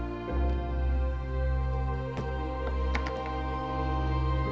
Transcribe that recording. dijadikan sama bubur aja kali